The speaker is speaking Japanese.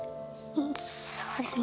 そうですね。